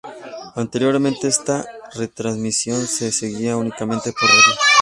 Anteriormente esta retransmisión se seguía únicamente por radio.